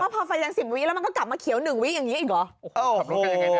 แสดงว่าพอดีกว่า๑๐ววิแล้วกลับมาเขียว๑วีงหรอ